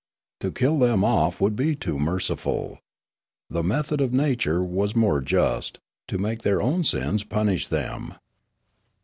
To kill them off would be too merciful. The method of nature was more just, to make their own sins punish them.